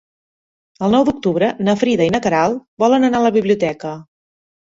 El nou d'octubre na Frida i na Queralt volen anar a la biblioteca.